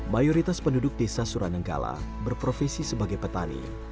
mayoritas penduduk desa suranenggala berprofesi sebagai petani